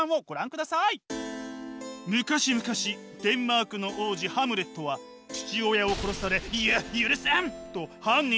昔々デンマークの王子ハムレットは父親を殺され「ゆ許せん！」と犯人への復しゅうを誓います。